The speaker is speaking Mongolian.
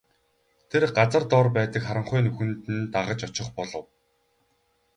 Тэр газар дор байдаг харанхуй нүхэнд нь дагаж очих болов.